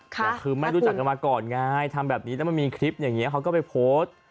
แต่คือไม่รู้จักกันมาก่อนไงทำแบบนี้แล้วมันมีคลิปอย่างนี้เขาก็ไปโพสต์